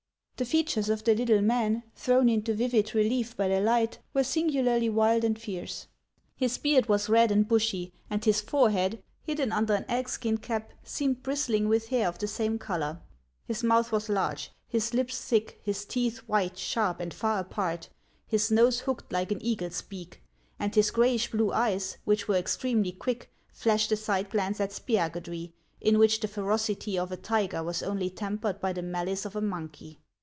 The features of the little man, thrown into vivid relief by the light, were singularly wild and fierce. His beard was red and bushy, and his forehead, hidden under an elkskiu cap, seemed bristling with hair of the same color ; his mouth was large, his lips thick, his teeth white, sharp, and far apart, his nose hooked like an eagle's beak ; and his grayish blue eyes, which were extremely quick, flashed a side glance at Spiagudry, in which the ferocity of a tiger was only tempered by the malice of a monkey.